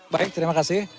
baik terima kasih